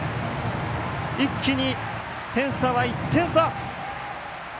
一気に点差は１点差。